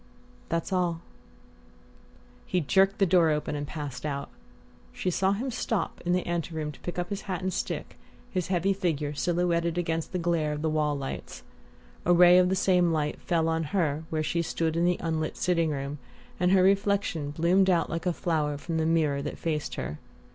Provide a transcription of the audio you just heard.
"That's all." He jerked the door open and passed out. She saw him stop in the ante room to pick up his hat and stick, his heavy figure silhouetted against the glare of the wall lights. A ray of the same light fell on her where she stood in the unlit sitting room, and her reflection bloomed out like a flower from the mirror that faced her.